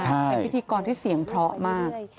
เป็นพิธีกรที่เสียงเพราะมาก